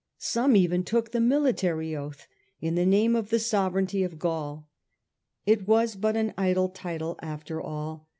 Some even took the military oath in the name of the sovereignty of Gaul. It was but an idle title after all.